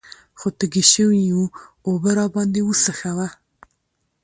خو تږي شوي يو اوبۀ راباندې وڅښوه ـ